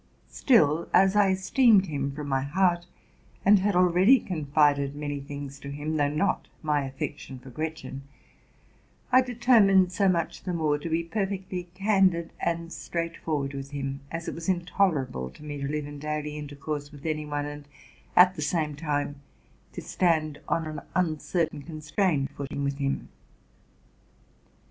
Still, as I, esteemed him from my heart, and had already confided many things to him, though not my affection for Gretchen, I determined so much the more to be perfectly candid and straightforward with him; as it was intolerable to me to live in daily intercourse with any one, and at the same time to stand on an uncertain, constrained footing with him.